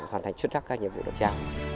hoàn thành xuất sắc các nhiệm vụ được trả